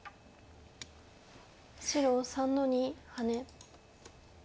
白３の二ハネ。